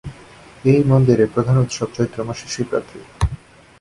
এই মন্দিরে প্রধান উৎসব চৈত্র মাসের শিবরাত্রি।